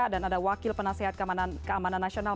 dan ada wakil penasehat keamanan nasional